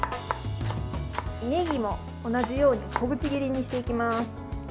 ねぎも同じように小口切りにしていきます。